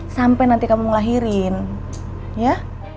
sampai nanti kamu ngelahirin ya